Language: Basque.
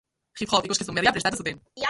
Hip hop ikuskizun berria prestatu zuten.